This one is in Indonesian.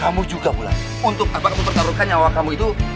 kamu juga wuland untuk apa kamu pertarungkan nyawa kamu itu